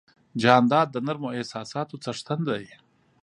جانداد د نرمو احساساتو څښتن دی.